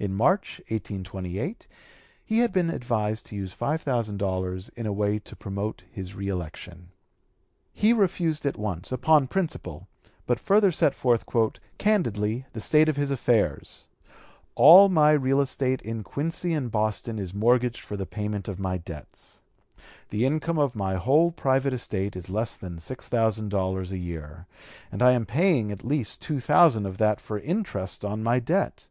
In March, 1828, he had been advised to use five thousand dollars in a way to promote his reëlection. He refused at once, upon principle; but further set forth "candidly, the state of his affairs:" "All my real estate in Quincy and Boston is mortgaged for the payment of my debts; the income of my whole private estate is less than $6,000 a year, and I am paying at least two thousand of that for interest on my debt.